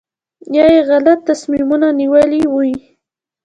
یا یې غلط تصمیمونه نیولي وي.